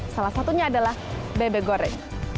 salah satunya adalah bebek goreng